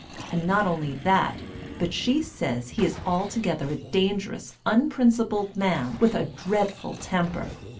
And not only that, but she says he is altogether a dangerous, unprincipled man with a dreadful temper.